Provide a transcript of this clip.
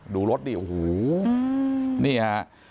ดูรถดิโอ้โหนี่ฮะ